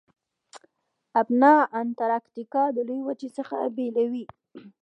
ابنا د انتارکتیکا د لویې وچې څخه بیلوي.